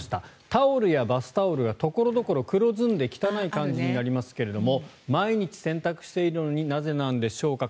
タオルやバスタオルが所々黒ずんで汚い感じになりますが毎日、洗濯しているのになぜなんでしょうか？